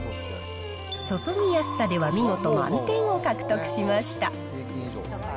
注ぎやすさでは見事、満点を獲得しました。